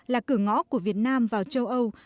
là cửa ngõ của việt nam vào châu âu